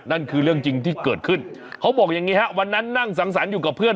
นั่นคือเรื่องจริงที่เกิดขึ้นเขาบอกอย่างนี้ฮะวันนั้นนั่งสังสรรค์อยู่กับเพื่อน